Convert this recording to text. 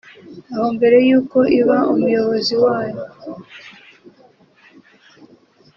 aho mbere y’uko iba umuyobozi wabo